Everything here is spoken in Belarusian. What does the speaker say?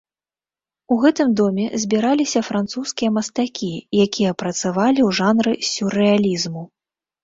У гэтым доме збіраліся французскія мастакі, якія працавалі ў жанры сюррэалізму.